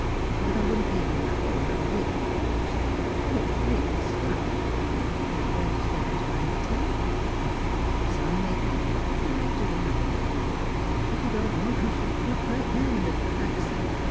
But I wouldn't leave 'em that a way 'nother week, ef I was you. Looks reel slack. ... Where 'd you say I'd find the tea? Guess I'll make me a cup b'fore I do another lick o' work — ef you don't want I sh'd drop right down in m' tracks.